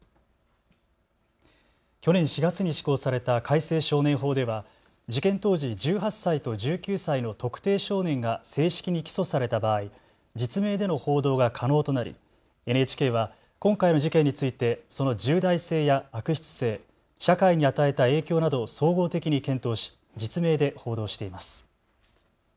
去年４月に施行された改正少年法では事件当時１８歳と１９歳の特定少年が正式に起訴された場合、実名での報道が可能となりＮＨＫは今回の事件についてその重大性や悪質性、社会に与えた影響などを総合的に検討し実名で報道しています。